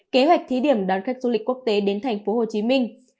kế hoạch thí điểm đón khách du lịch quốc tế đến thành phố hồ chí minh